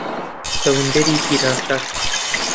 چەوەندەری پیرانشار